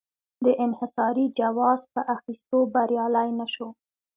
د انحصاري جواز په اخیستو بریالی نه شو.